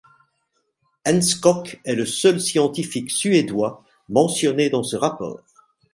Enskog est le seul scientifique suédois mentionné dans ce rapport.